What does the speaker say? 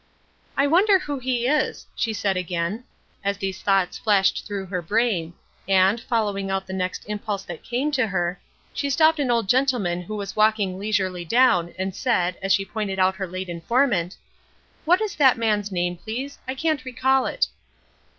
"I wonder who he is?" she said again, as these thoughts flashed through her brain, and, following out the next impulse that came to her, she stopped an old gentleman who was walking leisurely down, and said, as she pointed out her late informant: "What is that man's name, please? I can't recall it."